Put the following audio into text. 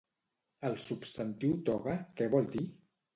El substantiu toga què vol dir?